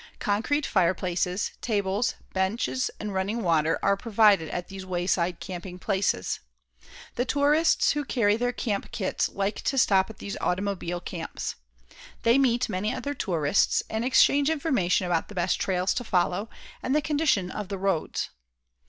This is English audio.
Concrete fireplaces, tables, benches and running water are provided at these wayside camping places. The tourists who carry their camp kits like to stop at these automobile camps. They meet many other tourists and exchange information about the best trails to follow and the condition of the roads.